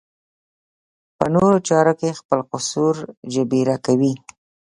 په نورو چارو کې خپل قصور جبېره کوي.